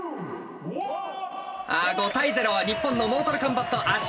５対０は日本のモータルコンバット圧勝。